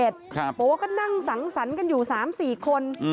บอกว่าก็นั่งสังสรรค์กันอยู่๓๔คน